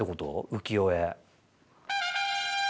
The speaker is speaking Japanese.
浮世絵。